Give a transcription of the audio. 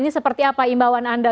ini seperti apa imbauan anda